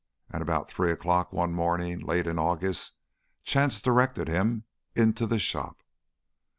And about three o'clock one morning, late in August, chance directed him into the shop.